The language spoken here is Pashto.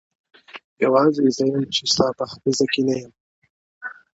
يوازي زه يمه چي ستا په حافظه کي نه يم_